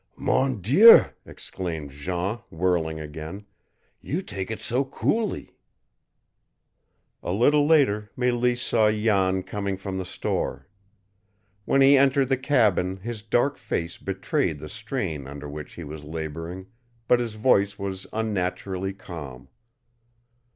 "Mon Dieu!" exclaimed Jean, whirling again, "you take it coolly!" A little later Mélisse saw Jan coming from the store. When he entered the cabin his dark face betrayed the strain under which he was laboring, but his voice was unnaturally calm.